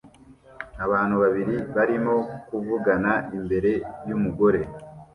Abantu babiri barimo kuvugana imbere yumugore